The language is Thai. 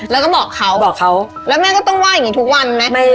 แล้วก็บอกเขาแล้วแม่งก็ต้องว่าอย่างนี้ทุกวันมั้ย